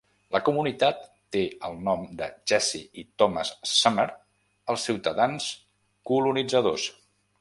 La comunitat té el nom de Jesse i Thomas Summer, els ciutadans colonitzadors.